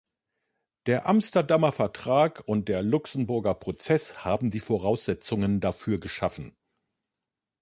Der Amsterdamer Vertrag und der Luxemburger Prozess haben die Voraussetzungen dafür geschaffen.